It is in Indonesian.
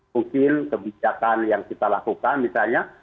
mungkin kebijakan yang kita lakukan misalnya